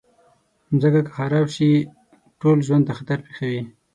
مځکه که خراب شي، ټول ژوند ته خطر پېښوي.